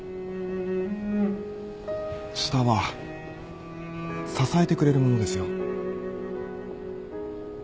下は支えてくれるものですよ。